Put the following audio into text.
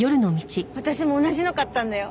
私も同じの買ったんだよ。